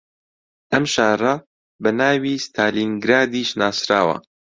ئەم شارە بە ناوی ستالینگرادیش ناسراوە